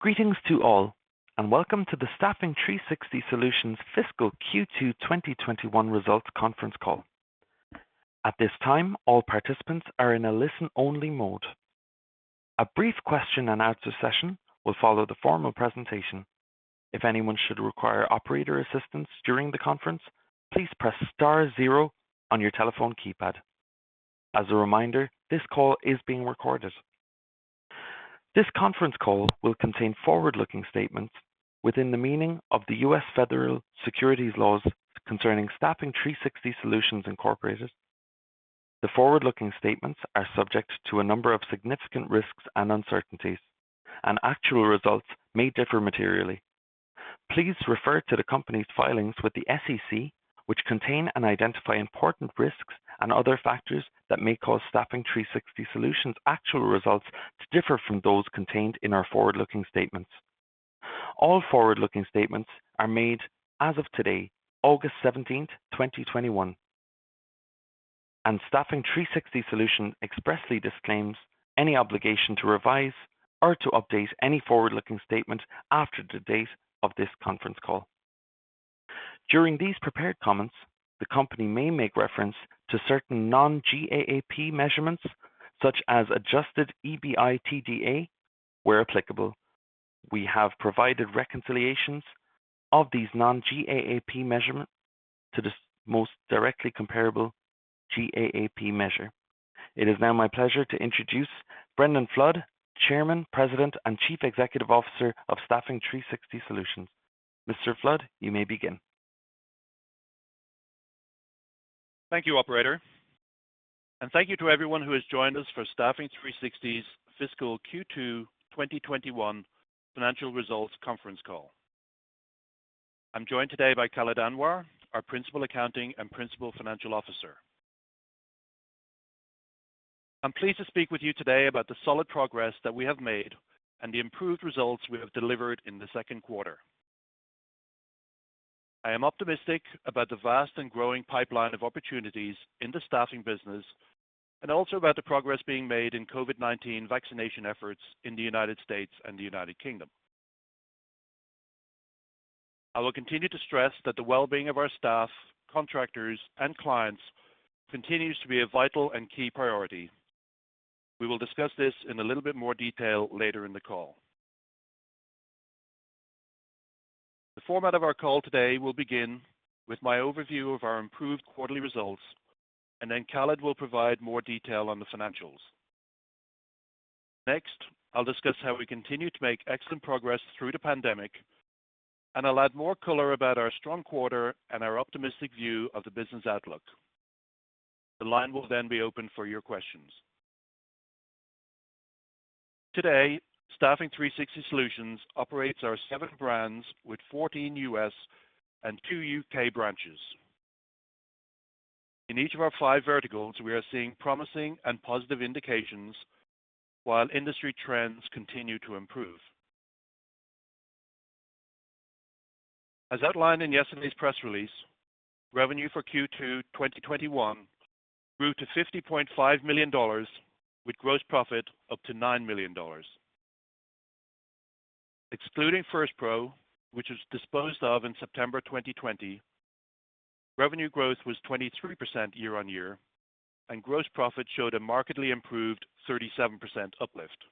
Greetings to all, and welcome to the Staffing 360 Solutions Fiscal Q2 2021 results conference call. This conference call will contain forward-looking statements within the meaning of the U.S. federal securities laws concerning Staffing 360 Solutions, Inc.. The forward-looking statements are subject to a number of significant risks and uncertainties, and actual results may differ materially. Please refer to the company's filings with the SEC, which contain and identify important risks and other factors that may cause Staffing 360 Solutions' actual results to differ from those contained in our forward-looking statements. All forward-looking statements are made as of today, August 17th, 2021, and Staffing 360 Solutions expressly disclaims any obligation to revise or to update any forward-looking statement after the date of this conference call. During these prepared comments, the company may make reference to certain non-GAAP measurements, such as adjusted EBITDA, where applicable. We have provided reconciliations of these non-GAAP measurements to the most directly comparable GAAP measure. It is now my pleasure to introduce Brendan Flood, Chairman, President, and Chief Executive Officer of Staffing 360 Solutions. Mr. Flood, you may begin. Thank you, operator, thank you to everyone who has joined us for Staffing 360 Solutions' Fiscal Q2 2021 financial results conference call. I'm joined today by Khalid Anwar, our Principal Accounting and Principal Financial Officer. I'm pleased to speak with you today about the solid progress that we have made and the improved results we have delivered in the second quarter. I am optimistic about the vast and growing pipeline of opportunities in the staffing business and also about the progress being made in COVID-19 vaccination efforts in the U.S. and the U.K. I will continue to stress that the well-being of our staff, contractors, and clients continues to be a vital and key priority. We will discuss this in a little bit more detail later in the call. The format of our call today will begin with my overview of our improved quarterly results, and then Khalid will provide more detail on the financials. Next, I'll discuss how we continue to make excellent progress through the pandemic, and I'll add more color about our strong quarter and our optimistic view of the business outlook. The line will then be open for your questions. Today, Staffing 360 Solutions operates our seven brands with 14 U.S. and 2 U.K. branches. In each of our 5 verticals, we are seeing promising and positive indications while industry trends continue to improve. As outlined in yesterday's press release, revenue for Q2 2021 grew to $50.5 million, with gross profit up to $9 million. Excluding firstPRO, which was disposed of in September 2020, revenue growth was 23% year-on-year, and gross profit showed a markedly improved 37% uplift.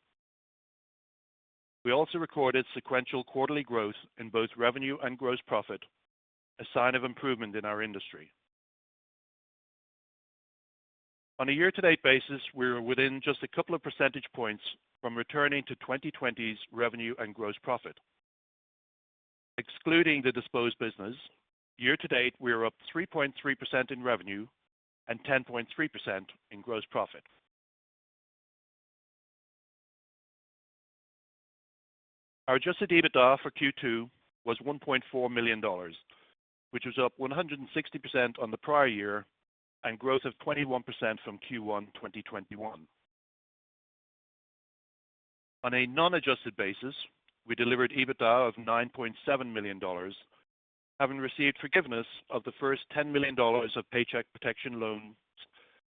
We also recorded sequential quarterly growth in both revenue and gross profit, a sign of improvement in our industry. On a year-to-date basis, we are within just a couple of percentage points from returning to 2020's revenue and gross profit. Excluding the disposed business, year-to-date we are up 3.3% in revenue and 10.3% in gross profit. Our adjusted EBITDA for Q2 was $1.4 million, which was up 160% on the prior year and growth of 21% from Q1 2021. On a non-adjusted basis, we delivered EBITDA of $9.7 million, having received forgiveness of the first $10 million of Paycheck Protection Program loans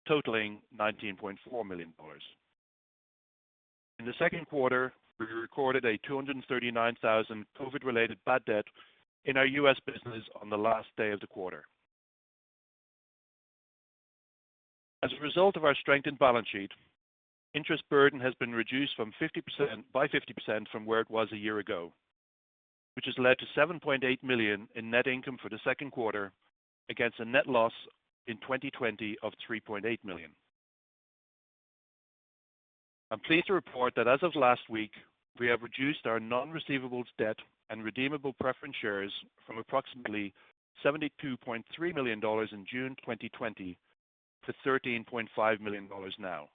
totaling $19.4 million. In the second quarter, we recorded a $239,000 COVID-related bad debt in our U.S. business on the last day of the quarter. As a result of our strengthened balance sheet, interest burden has been reduced by 50% from where it was a year ago, which has led to $7.8 million in net income for the second quarter against a net loss in 2020 of $3.8 million. I'm pleased to report that as of last week, we have reduced our non-receivables debt and redeemable preference shares from approximately $72.3 million in June 2020 to $13.5 million now.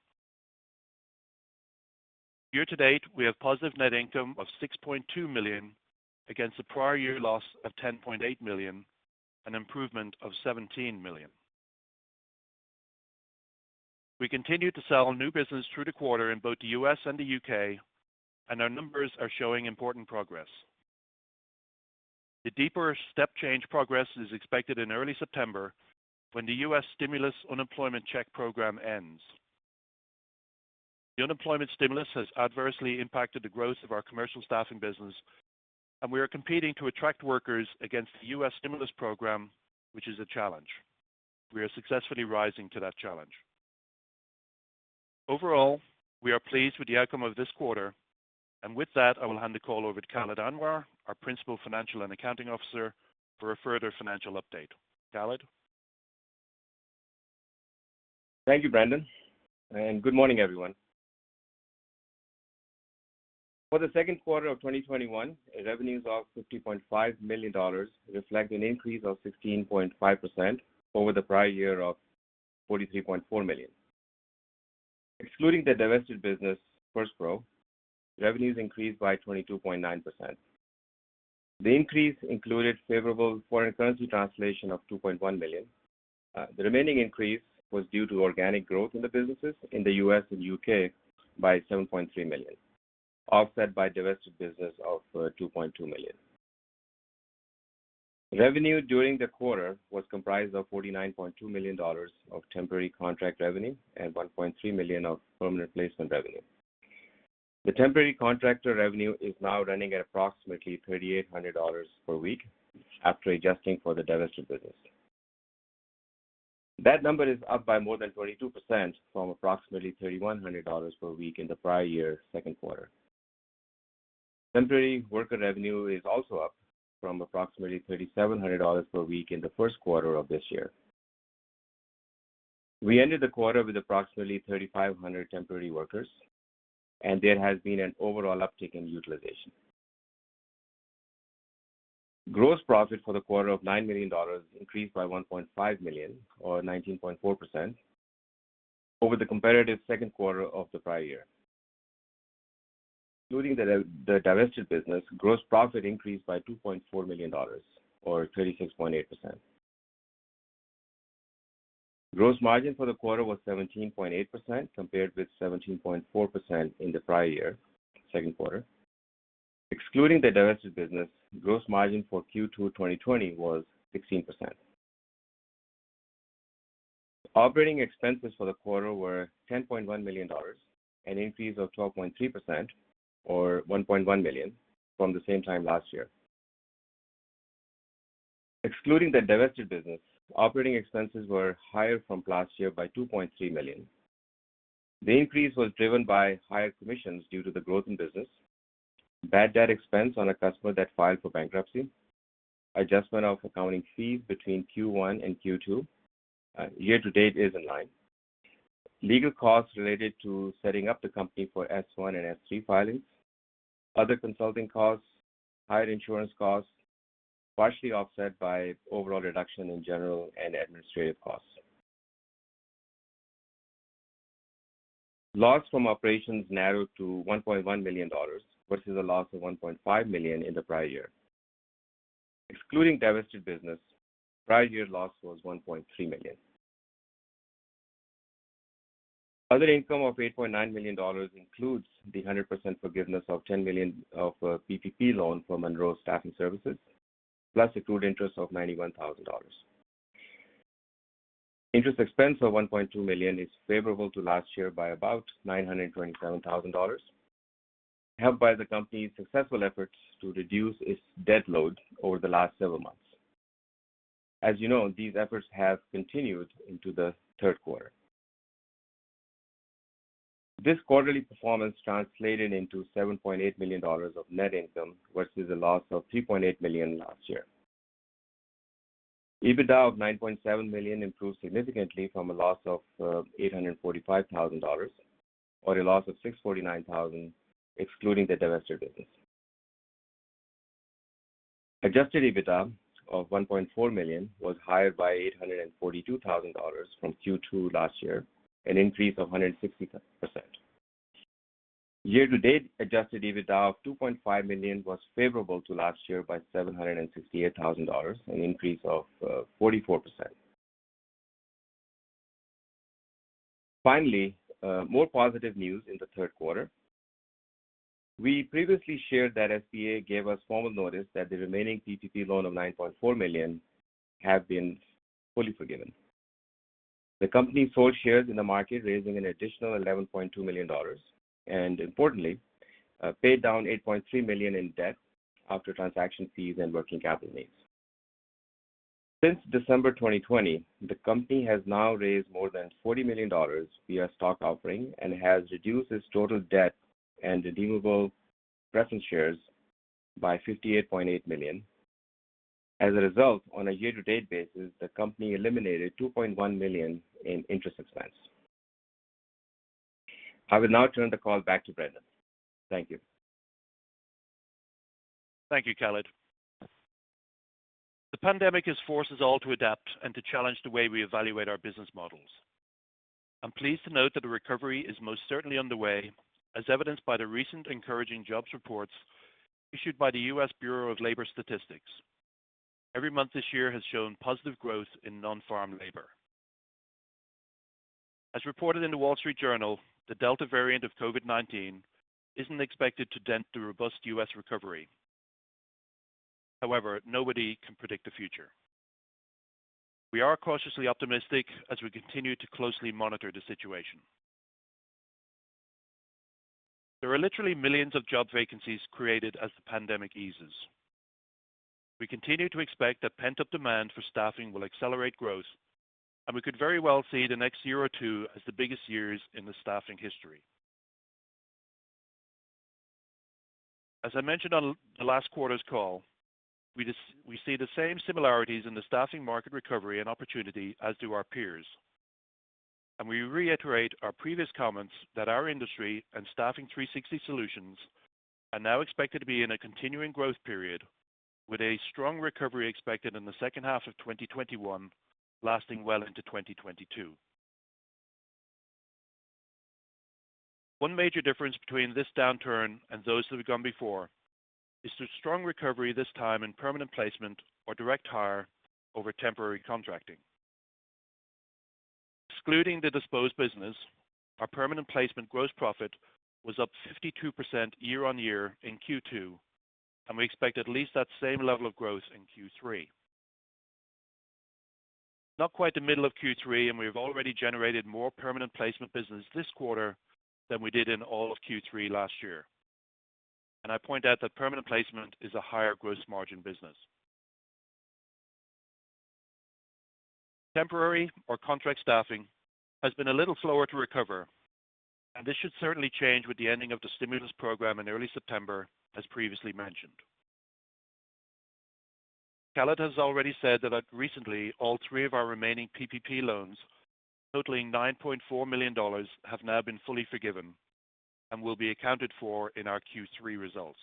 Year-to-date, we have positive net income of $6.2 million against a prior year loss of $10.8 million, an improvement of $17 million. We continued to sell new business through the quarter in both the U.S. and the U.K., our numbers are showing important progress. A deeper step change progress is expected in early September when the U.S. Stimulus Unemployment Check Program ends. The unemployment stimulus has adversely impacted the growth of our commercial staffing business, and we are competing to attract workers against the U.S. stimulus program, which is a challenge. We are successfully rising to that challenge. Overall, we are pleased with the outcome of this quarter, and with that, I will hand the call over to Khalid Anwar, our principal financial and accounting officer, for a further financial update. Khalid? Thank you, Brendan, and good morning, everyone. For the second quarter of 2021, revenues of $50.5 million reflect an increase of 16.5% over the prior year of $43.4 million. Excluding the divested business, firstPRO, revenues increased by 22.9%. The increase included favorable foreign currency translation of $2.1 million. The remaining increase was due to organic growth in the businesses in the U.S. and U.K. by $7.3 million, offset by divested business of $2.2 million. Revenue during the quarter was comprised of $49.2 million of temporary contract revenue and $1.3 million of permanent placement revenue. The temporary contractor revenue is now running at approximately $3,800 per week after adjusting for the divested business. That number is up by more than 22% from approximately $3,100 per week in the prior year, second quarter. Temporary worker revenue is also up from approximately $3,700 per week in the first quarter of this year. We ended the quarter with approximately 3,500 temporary workers. There has been an overall uptick in utilization. Gross profit for the quarter of $9 million increased by $1.5 million or 19.4% over the competitive second quarter of the prior year. Including the divested business, gross profit increased by $2.4 million or 36.8%. Gross margin for the quarter was 17.8%, compared with 17.4% in the prior year second quarter. Excluding the divested business, gross margin for Q2 2020 was 16%. Operating expenses for the quarter were $10.1 million, an increase of 12.3% or $1.1 million from the same time last year. Excluding the divested business, operating expenses were higher from last year by $2.3 million. The increase was driven by higher commissions due to the growth in business, bad debt expense on a customer that filed for bankruptcy, adjustment of accounting fees between Q1 and Q2. Year to date is in line. Legal costs related to setting up the company for S-1 and S-3 filings. Other consulting costs, higher insurance costs, partially offset by overall reduction in general and administrative costs. Loss from operations narrowed to $1.1 million versus a loss of $1.5 million in the prior year. Excluding divested business, prior year loss was $1.3 million. Other income of $8.9 million includes the 100% forgiveness of $10 million of PPP loan from Monroe Staffing Services, plus accrued interest of $91,000. Interest expense of $1.2 million is favorable to last year by about $927,000, helped by the company's successful efforts to reduce its debt load over the last several months. As you know, these efforts have continued into the third quarter. This quarterly performance translated into $7.8 million of net income versus a loss of $3.8 million last year. EBITDA of $9.7 million improved significantly from a loss of $845,000 or a loss of $649,000 excluding the divested business. adjusted EBITDA of $1.4 million was higher by $842,000 from Q2 last year, an increase of 160%. Year-to-date adjusted EBITDA of $2.5 million was favorable to last year by $768,000, an increase of 44%. Finally, more positive news in the third quarter. We previously shared that SBA gave us formal notice that the remaining PPP loan of $9.4 million have been fully forgiven. The company sold shares in the market, raising an additional $11.2 million, and importantly, paid down $8.3 million in debt after transaction fees and working capital needs. Since December 2020, the company has now raised more than $40 million via stock offering and has reduced its total debt and redeemable preference shares by $58.8 million. As a result, on a year-to-date basis, the company eliminated $2.1 million in interest expense. I will now turn the call back to Brendan. Thank you. Thank you, Khalid. The pandemic has forced us all to adapt and to challenge the way we evaluate our business models. I'm pleased to note that the recovery is most certainly underway, as evidenced by the recent encouraging jobs reports issued by the U.S. Bureau of Labor Statistics. Every month this year has shown positive growth in non-farm labor. As reported in The Wall Street Journal, the Delta variant of COVID-19 isn't expected to dent the robust U.S. recovery. However, nobody can predict the future. We are cautiously optimistic as we continue to closely monitor the situation. There are literally millions of job vacancies created as the pandemic eases. We continue to expect that pent-up demand for staffing will accelerate growth, and we could very well see the next year or two as the biggest years in the staffing history. As I mentioned on the last quarter's call, we see the same similarities in the staffing market recovery and opportunity as do our peers. We reiterate our previous comments that our industry and Staffing 360 Solutions are now expected to be in a continuing growth period with a strong recovery expected in the second half of 2021, lasting well into 2022. One major difference between this downturn and those that have gone before is the strong recovery this time in permanent placement or direct hire over temporary contracting. Excluding the disposed business, our permanent placement gross profit was up 52% year-on-year in Q2, and we expect at least that same level of growth in Q3. Not quite the middle of Q3, and we've already generated more permanent placement business this quarter than we did in all of Q3 last year. I point out that permanent placement is a higher gross margin business. Temporary or contract staffing has been a little slower to recover. This should certainly change with the ending of the stimulus program in early September, as previously mentioned. Khalid has already said that recently all three of our remaining PPP loans totaling $9.4 million have now been fully forgiven and will be accounted for in our Q3 results.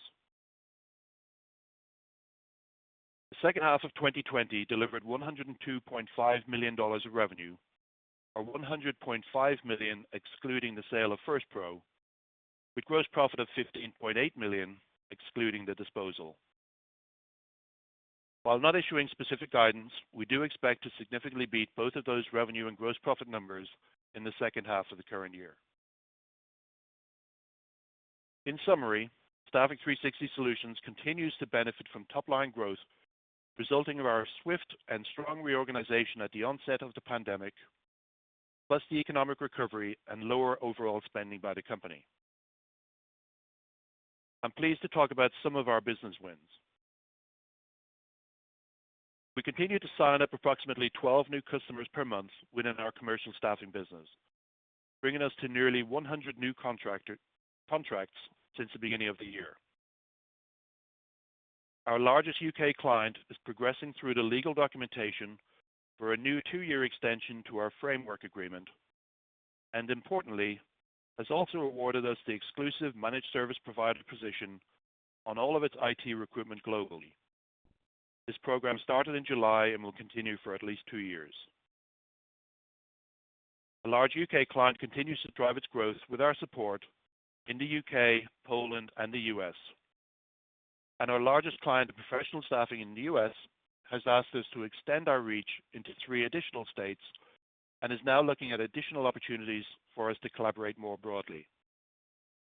The second half of 2020 delivered $102.5 million of revenue or $100.5 million excluding the sale of firstPRO, with gross profit of $15.8 million, excluding the disposal. While not issuing specific guidance, we do expect to significantly beat both of those revenue and gross profit numbers in the second half of the current year. In summary, Staffing 360 Solutions continues to benefit from top-line growth resulting from our swift and strong reorganization at the onset of the pandemic, plus the economic recovery and lower overall spending by the company. I'm pleased to talk about some of our business wins. We continue to sign up approximately 12 new customers per month within our commercial staffing business, bringing us to nearly 100 new contracts since the beginning of the year. Our largest U.K. client is progressing through the legal documentation for a new two-year extension to our framework agreement, and importantly, has also awarded us the exclusive managed service provider position on all of its IT recruitment globally. This program started in July and will continue for at least two years. A large U.K. client continues to drive its growth with our support in the U.K., Poland, and the U.S. Our largest client of professional staffing in the U.S. has asked us to extend our reach into three additional states and is now looking at additional opportunities for us to collaborate more broadly.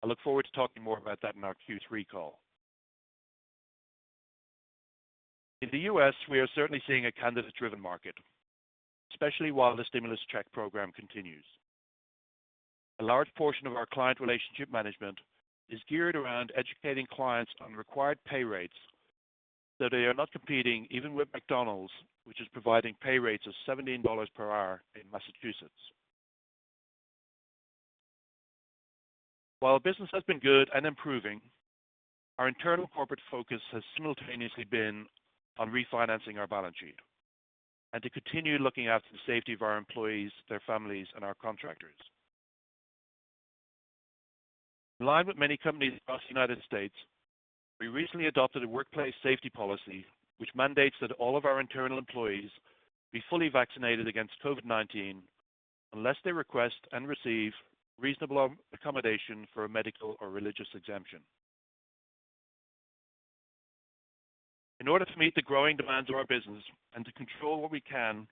I look forward to talking more about that in our Q3 call. In the U.S., we are certainly seeing a candidate-driven market, especially while the stimulus check program continues. A large portion of our client relationship management is geared around educating clients on required pay rates so they are not competing even with McDonald's, which is providing pay rates of $17 per hour in Massachusetts. While business has been good and improving, our internal corporate focus has simultaneously been on refinancing our balance sheet and to continue looking after the safety of our employees, their families, and our contractors. In line with many companies across the U.S., we recently adopted a workplace safety policy which mandates that all of our internal employees be fully vaccinated against COVID-19 unless they request and receive reasonable accommodation for a medical or religious exemption. In order to meet the growing demands of our business and to control what we can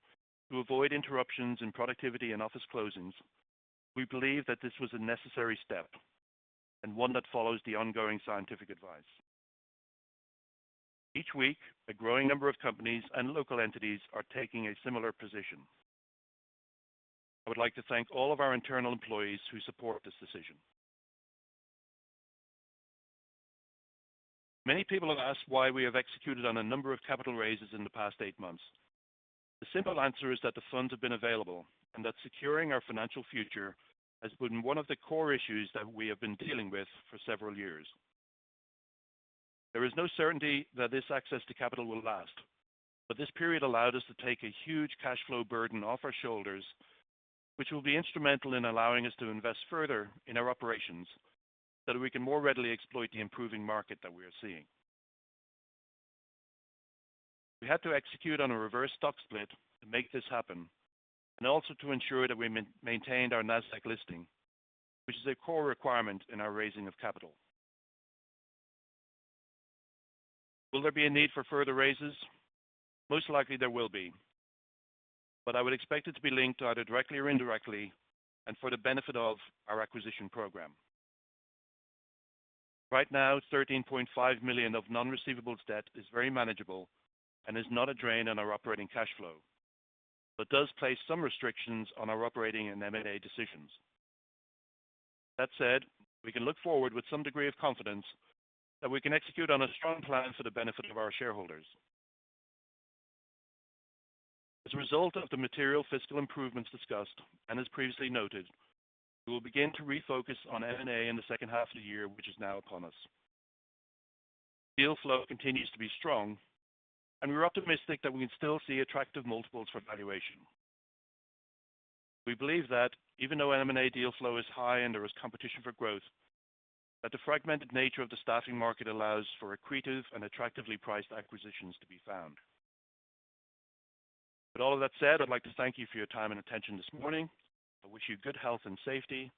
to avoid interruptions in productivity and office closings, we believe that this was a necessary step and one that follows the ongoing scientific advice. Each week, a growing number of companies and local entities are taking a similar position. I would like to thank all of our internal employees who support this decision. Many people have asked why we have executed on a number of capital raises in the past eight months. The simple answer is that the funds have been available and that securing our financial future has been one of the core issues that we have been dealing with for several years. There is no certainty that this access to capital will last, but this period allowed us to take a huge cash flow burden off our shoulders, which will be instrumental in allowing us to invest further in our operations so that we can more readily exploit the improving market that we are seeing. We had to execute on a reverse stock split to make this happen and also to ensure that we maintained our NASDAQ listing, which is a core requirement in our raising of capital. Will there be a need for further raises? Most likely there will be. I would expect it to be linked either directly or indirectly and for the benefit of our acquisition program. Right now, $13.5 million of non-receivables debt is very manageable and is not a drain on our operating cash flow, but does place some restrictions on our operating and M&A decisions. That said, we can look forward with some degree of confidence that we can execute on a strong plan for the benefit of our shareholders. As a result of the material fiscal improvements discussed, and as previously noted, we will begin to refocus on M&A in the second half of the year, which is now upon us. Deal flow continues to be strong, and we're optimistic that we can still see attractive multiples for valuation. We believe that even though M&A deal flow is high and there is competition for growth, that the fragmented nature of the staffing market allows for accretive and attractively priced acquisitions to be found. With all of that said, I'd like to thank you for your time and attention this morning. I wish you good health and safety.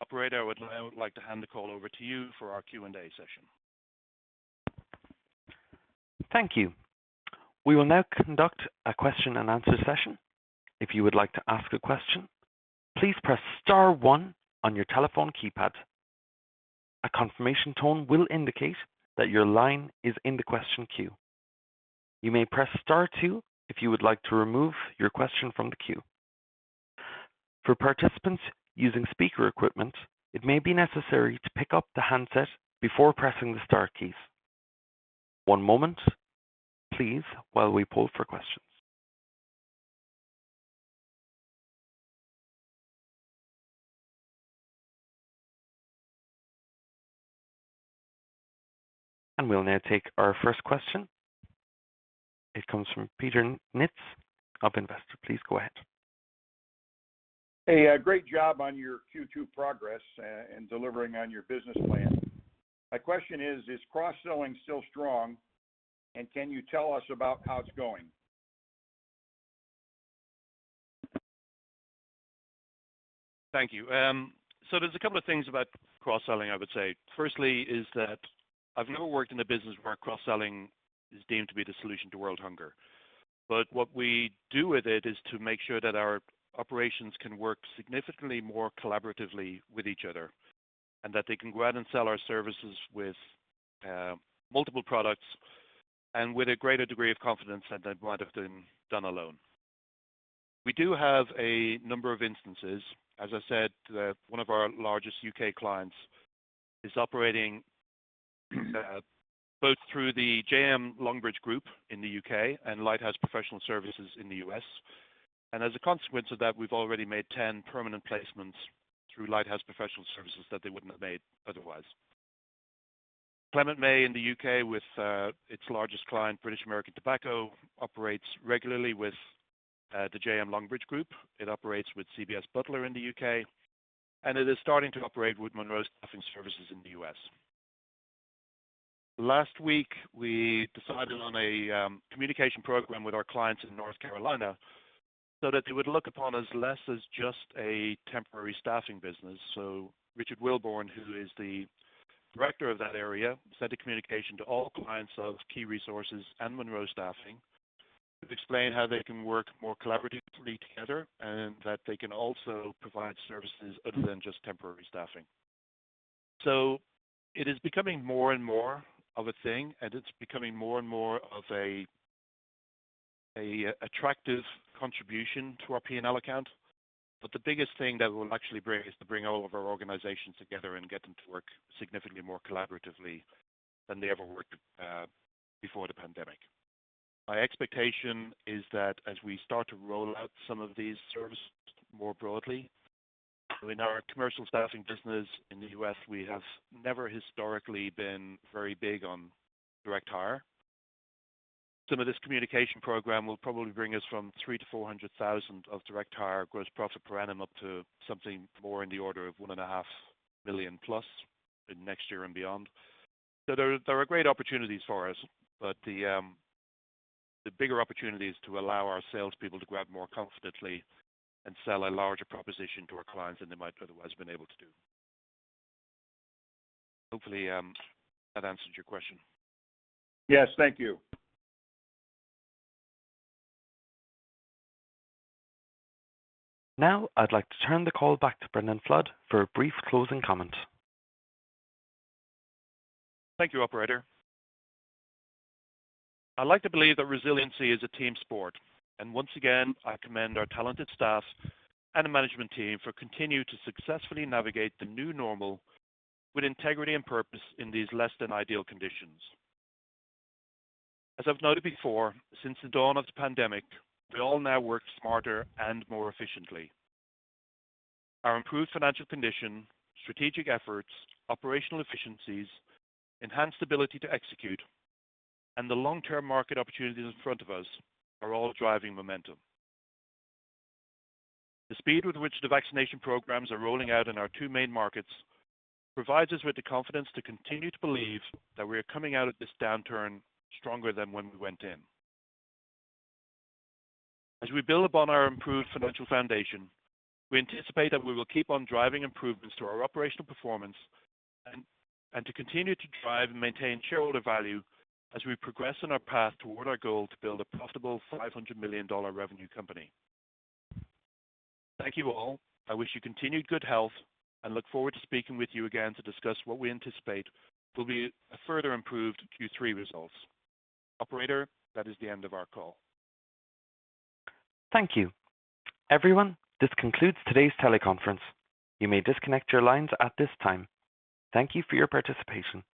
Operator, I would now like to hand the call over to you for our Q&A session. Thank you. We will now conduct a question and answer session. One moment, please, while we poll for questions. We'll now take our first question. It comes from Peter Nitz, Hub Investor. Please go ahead. Hey, great job on your Q2 progress and delivering on your business plan. My question is cross-selling still strong, and can you tell us about how it's going? Thank you. There's a couple of things about cross-selling, I would say. Firstly is that I've never worked in a business where cross-selling is deemed to be the solution to world hunger. What we do with it is to make sure that our operations can work significantly more collaboratively with each other, and that they can go out and sell our services with multiple products and with a greater degree of confidence than they might have done alone. We do have a number of instances. As I said, one of our largest U.K. clients is operating both through The JM Longbridge Group in the U.K. and Lighthouse Professional Services in the U.S. As a consequence of that, we've already made 10 permanent placements through Lighthouse Professional Services that they wouldn't have made otherwise. Clement May in the U.K. with its largest client, British American Tobacco, operates regularly with The JM Longbridge Group. It operates with CBS Butler in the U.K., and it is starting to operate with Monroe Staffing Services in the U.S. Last week, we decided on a communication program with our clients in North Carolina so that they would look upon us less as just a temporary staffing business. Richard Wilborn, who is the director of that area, sent a communication to all clients of Key Resources and Monroe Staffing to explain how they can work more collaboratively together and that they can also provide services other than just temporary staffing. It is becoming more and more of a thing, and it's becoming more and more of an attractive contribution to our P&L account. The biggest thing that will actually bring is to bring all of our organizations together and get them to work significantly more collaboratively than they ever worked before the pandemic. My expectation is that as we start to roll out some of these services more broadly, in our commercial staffing business in the U.S. we have never historically been very big on direct hire. Some of this communication program will probably bring us from $300,000-$400,000 of direct hire gross profit per annum up to something more in the order of $1.5 million+ in next year and beyond. There are great opportunities for us, but the bigger opportunity is to allow our salespeople to go out more confidently and sell a larger proposition to our clients than they might otherwise have been able to do. Hopefully, that answers your question. Yes. Thank you. Now I'd like to turn the call back to Brendan Flood for a brief closing comment. Thank you, operator. I'd like to believe that resiliency is a team sport, and once again, I commend our talented staff and the management team for continuing to successfully navigate the new normal with integrity and purpose in these less than ideal conditions. As I've noted before, since the dawn of the pandemic, we all now work smarter and more efficiently. Our improved financial condition, strategic efforts, operational efficiencies, enhanced ability to execute, and the long-term market opportunities in front of us are all driving momentum. The speed with which the vaccination programs are rolling out in our two main markets provides us with the confidence to continue to believe that we are coming out of this downturn stronger than when we went in. As we build upon our improved financial foundation, we anticipate that we will keep on driving improvements to our operational performance and to continue to drive and maintain shareholder value as we progress on our path toward our goal to build a profitable $500 million revenue company. Thank you all. I wish you continued good health and look forward to speaking with you again to discuss what we anticipate will be further improved Q3 results. Operator, that is the end of our call. Thank you. Everyone, this concludes today's teleconference. You may disconnect your lines at this time. Thank you for your participation.